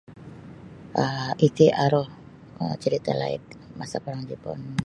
um Iti aru um carita' laid masa parang Jipun.